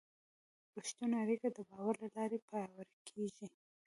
رښتونې اړیکه د باور له لارې پیاوړې کېږي.